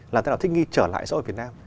làm thế nào thích nghi trở lại xã hội việt nam